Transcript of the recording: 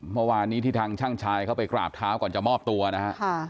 เมื่อวานนี้ที่ทางช่างชายเขาไปกราบเท้าก่อนจะมอบตัวนะฮะ